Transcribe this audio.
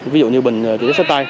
ví dụ như bình chữa cháy sát tay